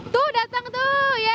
tuh datang tuh yee